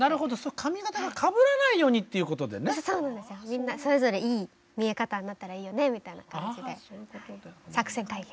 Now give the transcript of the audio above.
みんなそれぞれいい見え方になったらいいよねみたいな感じで作戦会議。